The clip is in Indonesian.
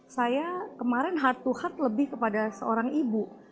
saya kemarin heart to heart lebih kepada seorang ibu